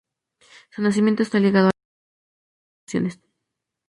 Su nacimiento está ligado a la aparición de las instituciones.